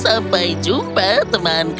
sampai jumpa temanku